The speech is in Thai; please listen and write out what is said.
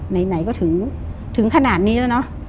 ไหนก็ถึงขนาดนี้แล้วเนอะ